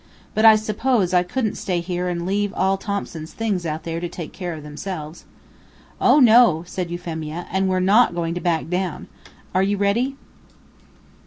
But I suppose I couldn't stay here and leave all Thompson's things out there to take care of themselves." "Oh no!" said Euphemia. "And we're not going to back down. Are you ready?"